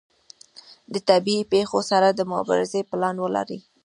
د طبیعي پیښو سره د مبارزې پلان ولري.